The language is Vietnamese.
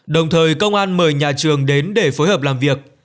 đồng thời công an mời nhà trường đến để phối hợp làm việc